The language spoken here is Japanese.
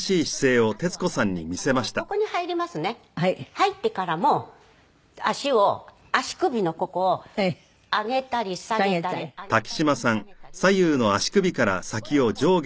入ってからも足を足首のここを上げたり下げたり上げたり下げたりね。